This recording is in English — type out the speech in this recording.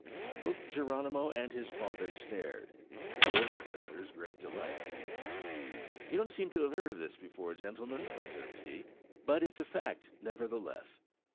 Both Geronimo and his father stared, to the organ builder's great delight. "You don't seem to have heard of this before, gentlemen," observed he; "but it's a fact, nevertheless.